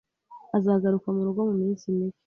Azagaruka murugo muminsi mike.